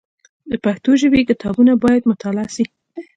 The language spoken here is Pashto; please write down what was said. د پښتو ژبي کتابونه باید مطالعه سي.